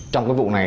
trong cái vụ này